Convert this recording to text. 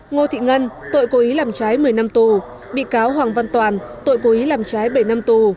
ngô thị ngân tội cố ý làm trái một mươi năm tù bị cáo hoàng văn toàn tội cố ý làm trái bảy năm tù